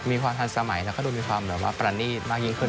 มีความทันสมัยแล้วก็ดูมีความแบบว่าประณีตมากยิ่งขึ้น